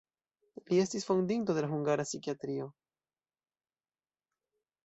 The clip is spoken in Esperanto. Li estis fondinto de la hungara psikiatrio.